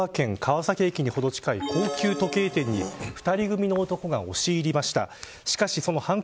昨日神奈川県川崎駅にほど近い高級時計店に２人組みの男が押し入りました。